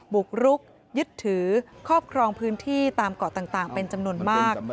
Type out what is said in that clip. บุกรุกยึดถือครอบครองพื้นที่ตามเกาะต่างเป็นจำนวนมาก